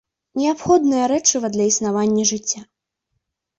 Неабходнае рэчыва для існавання жыцця.